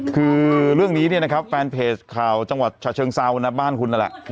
คือเรื่องนี้เนี่ยนะครับแฟนเพจข่าวจังหวัดฉะเชิงเซานะบ้านคุณนั่นแหละ